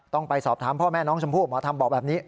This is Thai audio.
ต้องไปสอบถามพ่อแม่น้องชมพู่หมอธรรมบอกแบบนี้